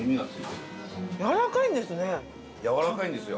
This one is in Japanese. やわらかいんですよ。